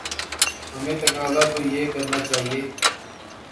ہمیں تقاضا تو یہ کرنا چاہیے۔